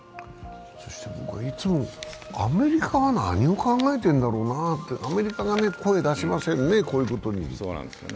これ、いつもアメリカが何を考えてるんだろうなあと、アメリカが声出しませんね、こういうことに。